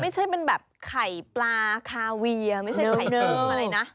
ไม่ใช่เป็นแบบไข่ปลาคาเวียไม่ใช่ไข่นมอะไรนะ